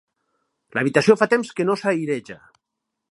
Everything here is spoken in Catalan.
L'habitació fa temps que no s'aireja